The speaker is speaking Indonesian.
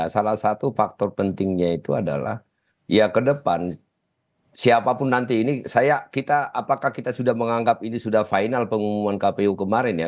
salah satu faktor pentingnya itu adalah ya ke depan siapapun nanti ini saya apakah kita sudah menganggap ini sudah final pengumuman kpu kemarin ya